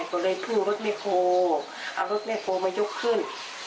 ใช่ตัวเลยพูดรถไม่โคเอารถไม่โคมายกขึ้น